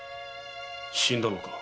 死んだのか。